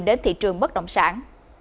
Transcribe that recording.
đến thị trường bất động sản